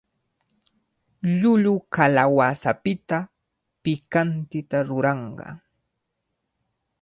Llullu kalawasapita pikantita ruranqa.